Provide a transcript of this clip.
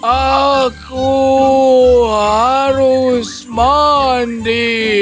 aku harus mandi